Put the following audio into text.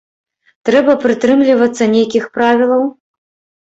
Трэба прытрымлівацца нейкіх правілаў?